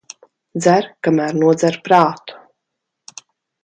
Dzer, kamēr nodzer prātu.